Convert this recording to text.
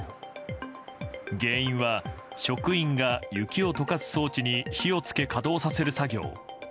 原因は職員が雪を溶かす装置に火を付け、稼働させる作業。